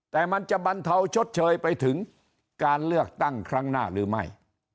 แต่มันจะบรรเทาชดเชยไปถึงการเลือกตั้งครั้งหน้าหรือไม่